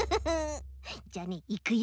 じゃあねいくよ。